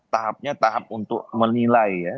tahapnya tahap untuk menilai ya